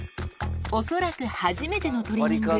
恐らく初めてのトリミング。